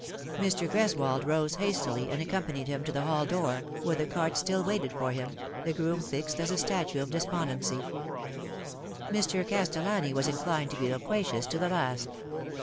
Mr. Greswold rose hastily and accompanied him to the hall door, where the cart still waited for him, the groom fixed as a statue of despondency. Mr. Castellani was inclined to be loquacious to the last.